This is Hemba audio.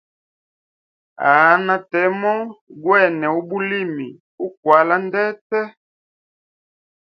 Hanha temo gwene ubulimi uklwala ndete.